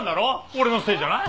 俺のせいじゃない。